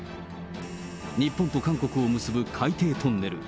日本と韓国を結ぶ海底トンネル。